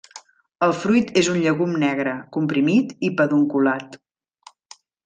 El fruit és un llegum negre, comprimit i pedunculat.